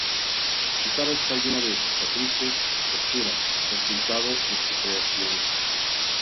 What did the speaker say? Su cara está llena de cicatrices y costuras, resultado de su creación.